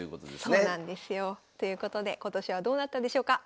そうなんですよ。ということで今年はどうなったでしょうか。